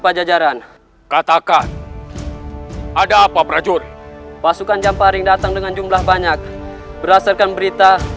pajajaran katakan ada apa prajurit pasukan jamparing datang dengan jumlah banyak berdasarkan berita